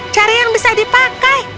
cari yang bisa dipakai